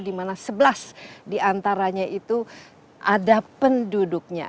dimana sebelas di antaranya itu ada penduduknya